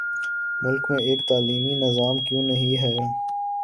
ملک میں ایک تعلیمی نظام کیوں نہیں ہے؟